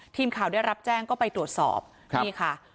ทีมข่าวได้รับแจ้งก็ไปตรวจสอบนี่ค่ะ